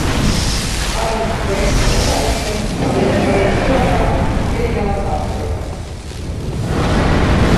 Arendusprojektide osalistel on nende rollist tulenevalt erinevad vaatenurgad.